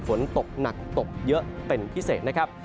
ฝนตกหนักตกเยอะเป็นพิเศษนะครับ